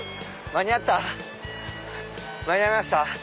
間に合いました？